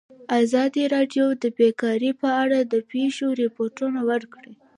ازادي راډیو د بیکاري په اړه د پېښو رپوټونه ورکړي.